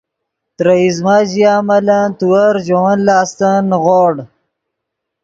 ترے ایزمہ ژیا ملن تیور ژے ون لاستن نیغوڑ